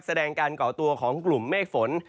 แสดงการก่อตัวของกลุ่มเมฆฝน